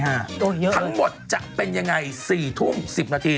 ทั้งหมดจะเป็นยังไง๔ทุ่ม๑๐นาที